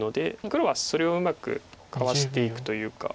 黒はそれをうまくかわしていくというか。